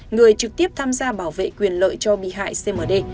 người trực tiếp tham gia bảo vệ quyền lợi cho bị hại cmd